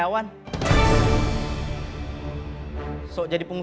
orang lain juga